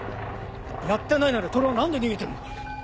やってないなら透は何で逃げてるんだ？